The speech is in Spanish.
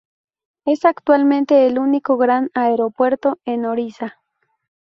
Es actualmente el único gran aeropuerto en Orissa.